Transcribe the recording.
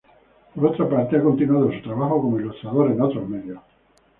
Por otra parte, ha continuado su trabajo como ilustrador en otros medios.